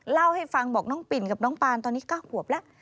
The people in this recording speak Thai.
เล่าให้ฟังบอกน้องปิ่นกับน้องปานตอนนี้๙ขวบแล้ว